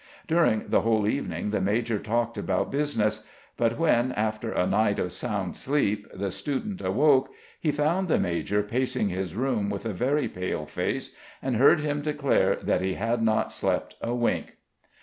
During the whole evening the major talked about business: but when, after a night of sound sleep, the student awoke, he found the major pacing his room with a very pale face, and heard him declare that he had not slept a wink.